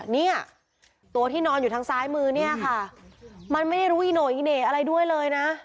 เนี่ยตัวที่นอนอยู่ทางซ้ายมือเนี่ยค่ะมันไม่ได้รู้อีโน่อีเหน่อะไรด้วยเลยนะ